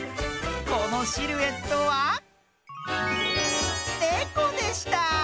このシルエットはねこでした。